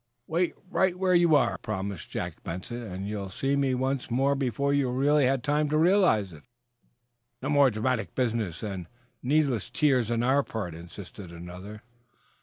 "Wait right where you are," promised Jack Benson, "and you'll see me once more before you've really had time to realize it." "No more dramatic business, eh, and needless tears on our part?" insisted another.